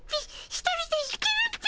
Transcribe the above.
一人で行けるっピ。